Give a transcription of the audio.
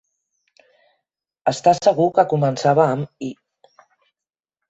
Està segur que començava amb i.